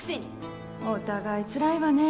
お互いつらいわね。